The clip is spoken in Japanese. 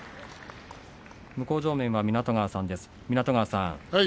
向正面は湊川さんです。